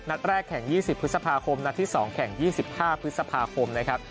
นัดแรกแข่ง๒๐พฤษภาคมนัดที่๒แข่ง๒๕พฤษภาคมนะครับ